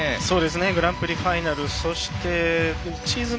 グランプリファイナルそして、シーズン